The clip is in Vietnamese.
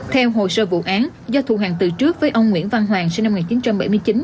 theo hồ sơ vụ án do thù hàng từ trước với ông nguyễn văn hoàng sinh năm một nghìn chín trăm bảy mươi chín